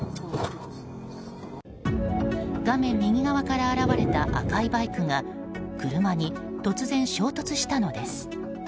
画面右側から現れた赤いバイクが車に突然、衝突したのです。